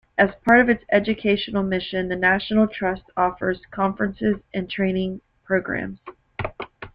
As part of its educational mission, the National Trust offers conferences and training programs.